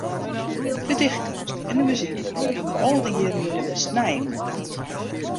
De dichtkeunst en de muzyk hawwe him al dy jierren yn de besnijing holden.